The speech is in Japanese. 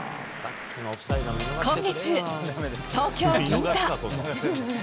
今月、東京・銀座。